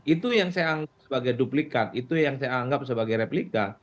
itu yang saya anggap sebagai duplikat itu yang saya anggap sebagai replika